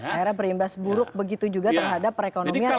akhirnya perimbasan buruk begitu juga terhadap perekonomian indonesia